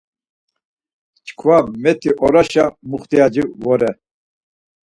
Çkva met̆i oraşa muxtiyaci vore.